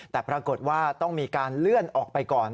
แต่ปรากฏว่าต้องมีการเลื่อนออกไปก่อน